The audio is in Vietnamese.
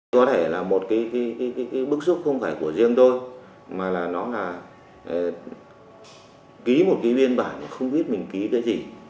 có thể là một cái bức xúc không phải của riêng tôi mà là nó là ký một cái biên bản không biết mình ký cái gì